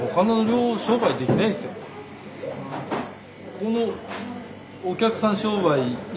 このお客さん商売俊太。